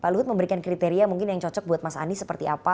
pak luhut memberikan kriteria mungkin yang cocok buat mas anies seperti apa